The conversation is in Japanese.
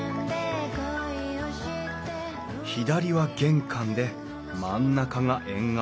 左は玄関で真ん中が縁側。